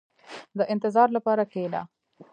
• د انتظار لپاره کښېنه.